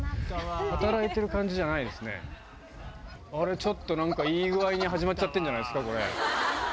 働いている感じじゃないですね、あれ、ちょっとなんかいい具合に始まっちゃってるんじゃないですか、これ。